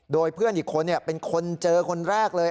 โดยเพื่อนอีกคนเป็นคนเจอคนแรกเลย